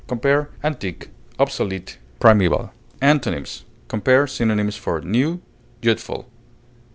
Compare ANTIQUE; OBSOLETE; PRIMEVAL. Antonyms: Compare synonyms for NEW; YOUTHFUL.